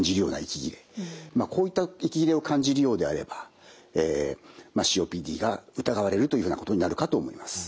こういった息切れを感じるようであればＣＯＰＤが疑われるというふうなことになるかと思います。